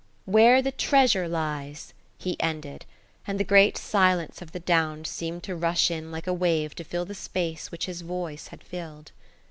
"Where the treasure lies," he ended, and the great silence of the downs seemed to rush in like a wave to fill the space which his voice had filled.